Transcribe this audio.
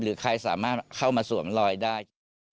ใครสามารถเข้ามาสวมรอยได้